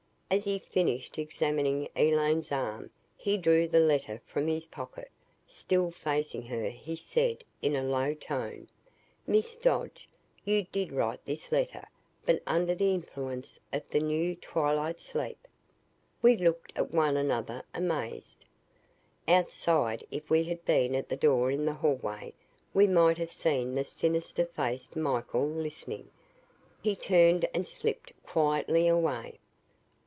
As he finished examining Elaine's arm he drew the letter from his pocket. Still facing her he said in a low tone, "Miss Dodge you did write this letter but under the influence of the new 'twilight sleep.'" We looked at one another amazed. Outside, if we had been at the door in the hallway, we might have seen the sinister faced Michael listening. He turned and slipped quietly away.